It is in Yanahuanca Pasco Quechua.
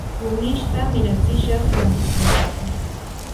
kunishta miratsishaq rantikunapaq.